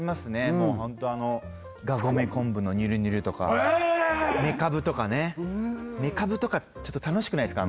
もうホントがごめ昆布のにゅるにゅるとかめかぶとかねめかぶとかちょっと楽しくないですか？